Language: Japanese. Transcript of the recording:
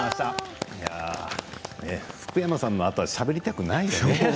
福山さんのあとはしゃべりたくないよね。